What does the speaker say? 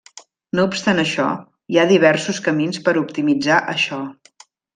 No obstant això, hi ha diversos camins per optimitzar això.